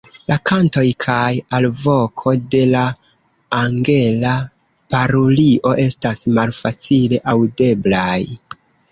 La kantoj kaj alvoko de la Angela parulio estas malfacile aŭdeblaj.